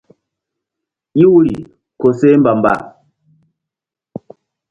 Iwri koseh mbamba.